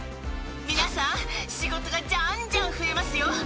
皆さん、仕事がじゃんじゃん増えますよ。